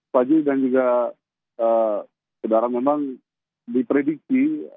pak juri dan juga saudara memang diprediksi